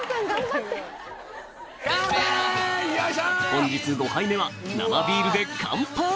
本日５杯目は生ビールでカンパイ！